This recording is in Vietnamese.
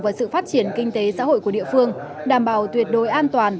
và sự phát triển kinh tế xã hội của địa phương đảm bảo tuyệt đối an toàn